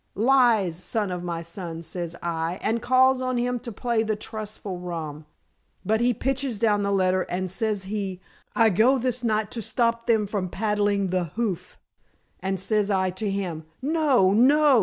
'Lies, son of my son,' says I, and calls on him to play the trustful rom. But he pitches down the letter, and says he, 'I go this night to stop them from paddling the hoof,' and says I to him, 'No! No!'